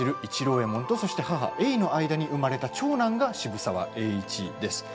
右衛門と母・ゑいの間に生まれた長男が渋沢栄一です。